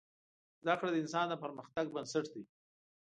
زده کړه د انسان د پرمختګ بنسټ دی.